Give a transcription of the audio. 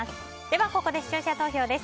ここで視聴者投票です。